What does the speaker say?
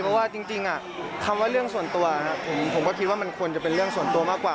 เพราะว่าจริงคำว่าเรื่องส่วนตัวผมก็คิดว่ามันควรจะเป็นเรื่องส่วนตัวมากกว่า